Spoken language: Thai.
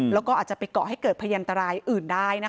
แล้วก็อาจจะไปเกาะให้เกิดพยันตรายอื่นได้นะคะ